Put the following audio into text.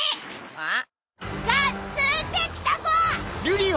あっ！